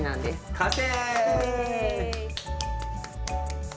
完成！